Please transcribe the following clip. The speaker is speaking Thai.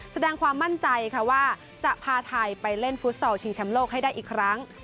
แสดงความมั่นใจค่ะว่าจะพาไทยไปเล่นฟุตซอลชิงแชมป์โลกให้ได้อีกครั้ง